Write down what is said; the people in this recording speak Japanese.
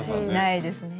ないですね。